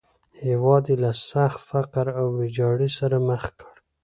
هېواد یې له سخت فقر او ویجاړۍ سره مخ کړ.